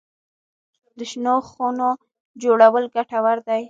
د شنو خونو جوړول ګټور دي؟